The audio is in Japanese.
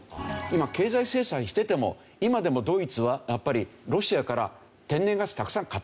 今経済制裁してても今でもドイツはやっぱりロシアから天然ガスたくさん買ってるわけですよね。